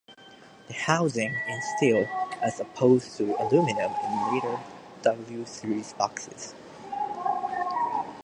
The housing is steel as opposed to aluminium in later W series boxes.